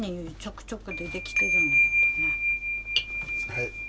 はい。